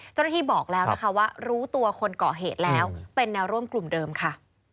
เจ้าหน้าที่บอกแล้วนะคะว่ารู้ตัวคนเกาะเหตุแล้วเป็นแนวร่วมกลุ่มเดิมค่ะ